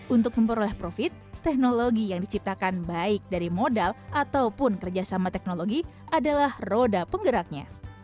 untuk memperoleh profit teknologi yang diciptakan baik dari modal ataupun kerjasama teknologi adalah roda penggeraknya